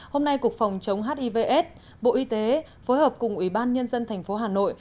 hôm nay cục phòng chống hivs bộ y tế phối hợp cùng ủy ban nhân dân thành phố hà nội